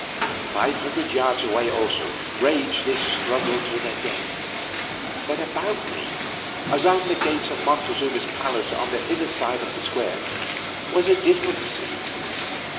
Five hundred yards away or so, raged this struggle to the death, but about me, around the gates of Montezuma's palace on the hither side of the square, was a different scene.